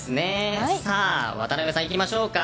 さあ、渡辺さんいきましょうか。